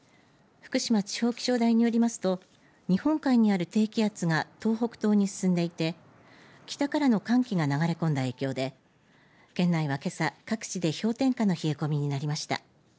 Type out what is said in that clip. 福島地方気象台によりますと日本海にある低気圧が東北東に進んでいて北からの寒気が流れ込んだ影響で県内は、けさ各地で氷点下の冷え込みになりました。